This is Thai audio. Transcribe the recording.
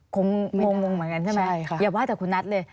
งงเหมือนกันใช่ไหมอย่าว่าแต่คุณนัทเลย